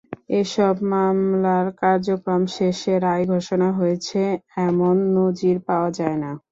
এসব মামলার কার্যক্রম শেষে রায় ঘোষণা হয়েছে—এমন নজির পাওয়া যায় না।